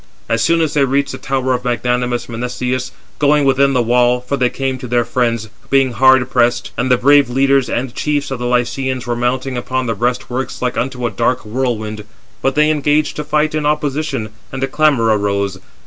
As soon as they reached the tower of magnanimous Menestheus, going within the wall (for they came to [their friends] being hard pressed: and the brave leaders and chiefs of the Lycians were mounting upon the breast works like unto a dark whirlwind), but they engaged to fight in opposition, and a clamour arose.